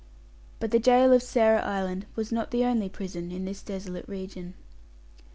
But the gaol of Sarah Island was not the only prison in this desolate region.